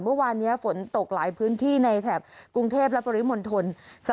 เมื่อวานนี้ฝนตกหลายพื้นที่ในแถบกรุงเทพและปริมณฑล